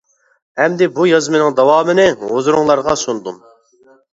ئەمدى بۇ يازمىنىڭ داۋامىنى ھۇزۇرۇڭلارغا سۇندۇم.